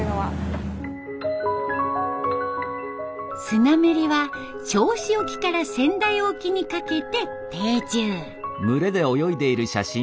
スナメリは銚子沖から仙台沖にかけて定住。